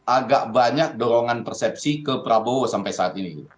agak banyak dorongan persepsi ke prabowo sampai saat ini